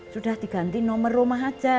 sudah diganti nomor rumah saja